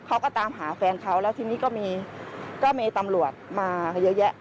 เขาก็ตามหาแฟนเขาแล้วทีนี้ก็มีก็มีตำรวจมาเยอะแยะ